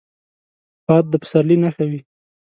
باد د پسرلي نښه وي